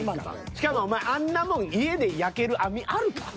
しかもお前あんなもん家で焼ける網あるか？